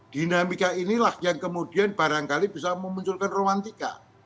dinamika inilah yang kemudian barangkali bisa memunculkan romantika